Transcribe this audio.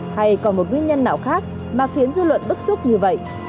hay còn một nguyên nhân nào khác mà khiến dư luận bức xúc như vậy